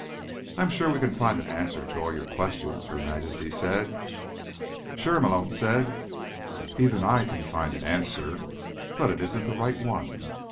"I'm sure we can find an answer to all your questions," Her Majesty said. "Sure," Malone said. "Even I can find an answer. But it isn't the right one."